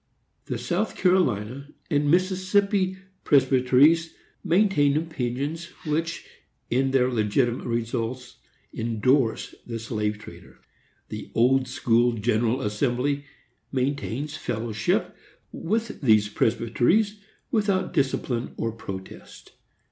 The South Carolina and Mississippi Presbyteries maintain opinions which, in their legitimate results, endorse the slave trader. The Old School General Assembly maintains fellowship with these Presbyteries, without discipline or protest.